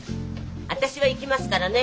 私は行きますからね。